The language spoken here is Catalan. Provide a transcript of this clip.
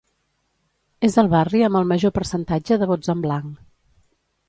És el barri amb el major percentatge de vots en blanc.